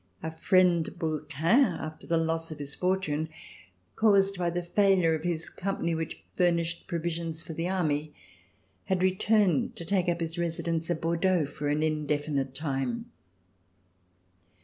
Our friend Brouquens, after the loss of his fortune caused by the failure of his company which furnished provisions for the army, had returned to take up his residence at Bordeaux for an indefinite time.